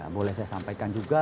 boleh saya sampaikan juga